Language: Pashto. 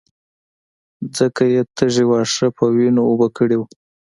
ځکه يې تږي واښه په وينو اوبه کړي وو.